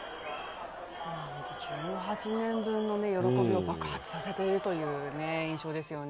１８年分の喜びを爆発させているという印象ですよね。